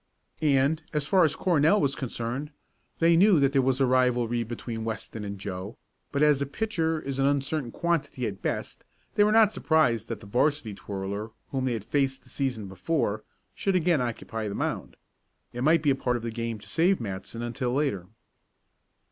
And, as far as Cornell was concerned, they knew that there was rivalry between Weston and Joe, but as a pitcher is an uncertain quantity at best, they were not surprised that the 'varsity twirler whom they had faced the season before should again occupy the mound. It might be a part of the game to save Matson until later.